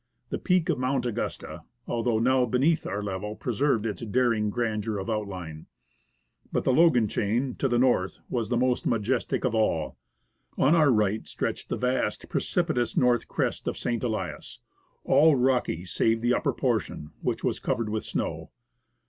The peak of Mount Augusta, ahhough now beneath our level, preserved its daring gran deur of outline. But the Logan chain to the north was the most majestic of all. On our right, stretched the vast, precipitous north crest of St. Elias, all rocky save the upper portion, which was covered with snow.